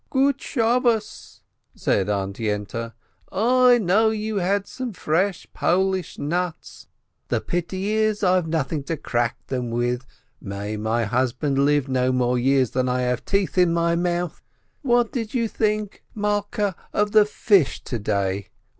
"Good Sabbath !" said Aunt Yente, "I knew you had some fresh Polish nuts. The pity is that I've nothing to crack them with, may my husband live no more years than I have teeth in my mouth ! What did you think, Malkeh, of the fish to day?